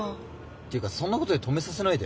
ていうかそんなことで止めさせないで。